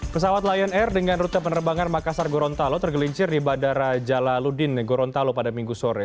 pesawat lion air dengan rute penerbangan makassar gorontalo tergelincir di bandara jalaludin gorontalo pada minggu sore